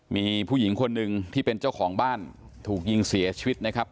มีผู้หญิงคนหนึ่งที่เป็นเจ้าของบ้านถูกยิงเสียชีวิตนะครับ